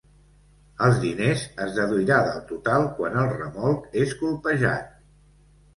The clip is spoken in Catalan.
Els diners es deduirà del total quan el remolc és colpejat.